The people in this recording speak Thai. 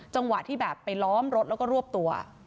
จังหวะที่แบบไปล้อมรถแล้วก็รวบตัว